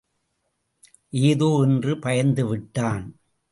ஏதோ? என்று பயந்துவிட்டான்.